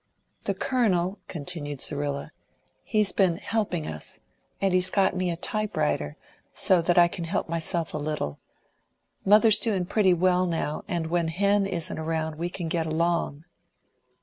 "The Colonel," continued Zerrilla, "he's been helping us, and he's got me a type writer, so that I can help myself a little. Mother's doing pretty well now; and when Hen isn't around we can get along."